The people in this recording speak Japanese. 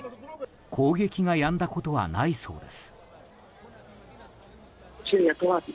攻撃がやんだことはないそうです。